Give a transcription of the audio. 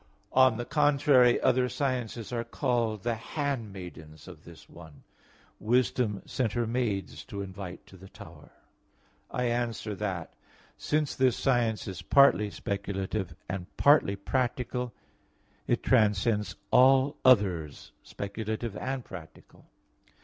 On the contrary, Other sciences are called the handmaidens of this one: "Wisdom sent her maids to invite to the tower" (Prov. 9:3). I answer that, Since this science is partly speculative and partly practical, it transcends all others speculative and practical.